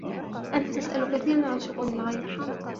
أنت تسأل كثيرا عن شؤون الغير.